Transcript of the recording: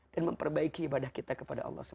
dan memperbaiki ibadah kita kepada allah swt